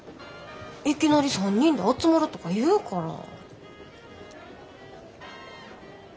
いきなり３人で集まろとか言うから。